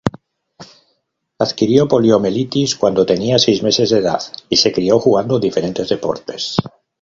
Adquirió poliomielitis cuando tenía seis meses de edad, y se crio jugando diferentes deportes.